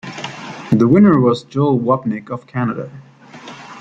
The winner was Joel Wapnick of Canada.